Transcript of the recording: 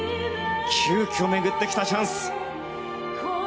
急きょ巡ってきたチャンス。